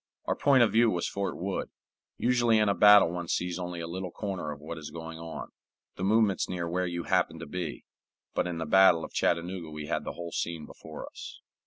Our point of view was Fort Wood. Usually in a battle one sees only a little corner of what is going on, the movements near where you happen to be; but in the battle of Chattanooga we had the whole scene before us.